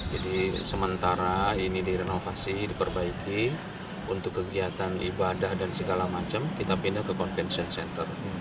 jadi sementara ini direnovasi diperbaiki untuk kegiatan ibadah dan segala macam kita pindah ke convention center